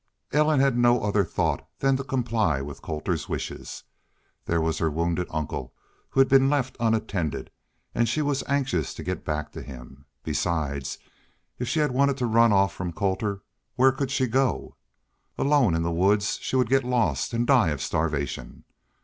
Ellen had no other thought than to comply with Colter's wishes. There was her wounded uncle who had been left unattended, and she was anxious to get back to him. Besides, if she had wanted to run off from Colter, where could she go? Alone in the woods, she would get lost and die of starvation.